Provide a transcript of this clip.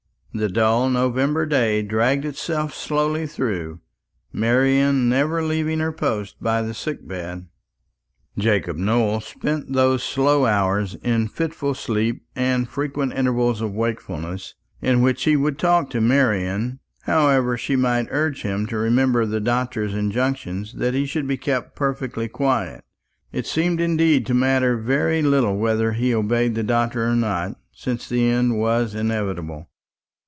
The dull November day dragged itself slowly through, Marian never leaving her post by the sick bed. Jacob Nowell spent those slow hours in fitful sleep and frequent intervals of wakefulness, in which he would talk to Marian, however she might urge him to remember the doctor's injunctions that he should be kept perfectly quiet. It seemed indeed to matter very little whether he obeyed the doctor or not, since the end was inevitable.